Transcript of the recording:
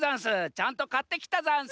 ちゃんとかってきたざんす。